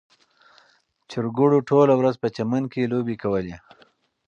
چرګوړو ټوله ورځ په چمن کې لوبې کولې.